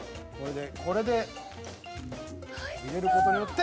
これで入れる事によって。